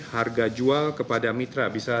harga jual kepada mitra bisa